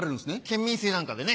県民性なんかでね。